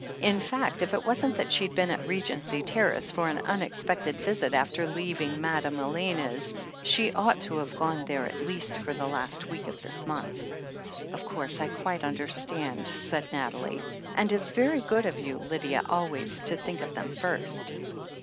in fact, if it wasn't that she'd been at Regency Terrace for an unexpected visit after leaving Madame Elena's, she ought to have gone there at least for the last week of this month. "Of course I quite understand," said Nathalie, "and it's very good of you, Lydia, always to think of them first.